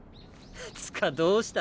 つかどうした？